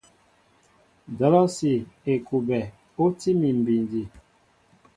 Dolosi / Ekuɓɛ o tí mi bindi.